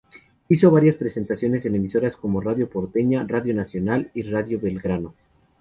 Hizo varias presentaciones en emisoras como Radio Porteña, Radio Nacional y Radio Belgrano.